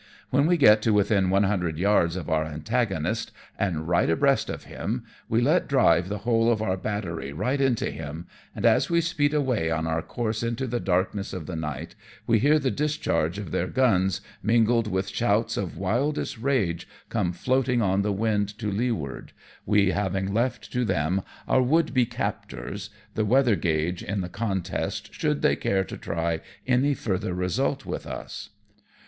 When we get to within one hundred yards of our antagonist, and right abreast of him, we let drive the whole of our battery right into him, and as we speed away on our course into the darkness of the night, we hear the discharge of their guns, mingled with shouts of wildest rage, come floating on the wind to leeward, we having left to them, our would be captors, the weather gauge in the contest, should they care to try any further result with us.